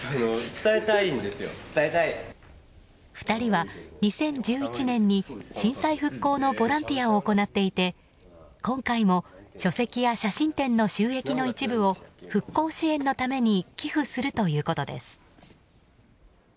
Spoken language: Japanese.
２人は２０１１年に震災復興のボランティアを行っていて今回も、書籍や写真展の収益の一部を、復興支援のために寄付するということです。